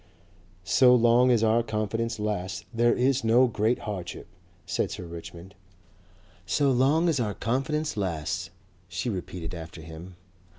"So long as our confidence lasts there is no great hardship," said Sir Richmond. "So long as our confidence lasts," she repeated after him.